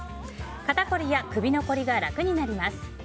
肩こりや首のこりが楽になりますよ。